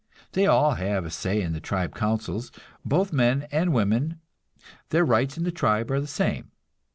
They all have a say in the tribe councils, both men and women; their "rights" in the tribe are the same.